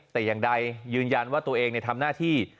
แต่อย่างใดยืนยันว่าตัวเองทำหน้าที่